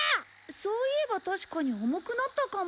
そういえば確かに重くなったかも。